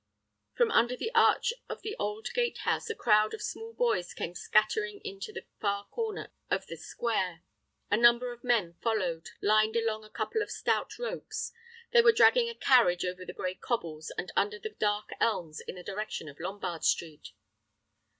From under the arch of the old gate house a crowd of small boys came scattering into the far corner of the square. A number of men followed, lined along a couple of stout ropes. They were dragging a carriage over the gray cobbles and under the dark elms in the direction of Lombard Street.